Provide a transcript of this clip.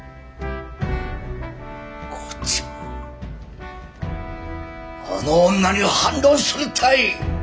こっちもあの女に反論するったい！